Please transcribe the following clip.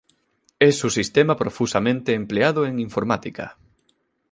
Es un sistema profusamente empleado en informática.